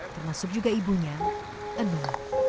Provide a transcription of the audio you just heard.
termasuk juga ibunya enum